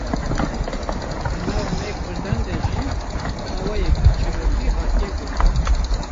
di nav me Kurdan de jî bi awayeke çîrokî jî hatiye gotin